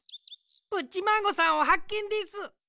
プッチマーゴさんをはっけんです！